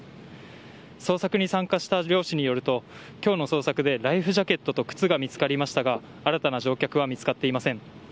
捜索に参加した漁師によると今日の捜索でライフジャケットと靴が見つかりましたが新たな乗客は見つかっていません。